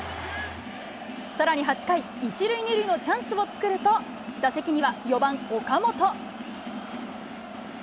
さらに８回、１塁２塁のチャンスを作ると、打席には４番岡本。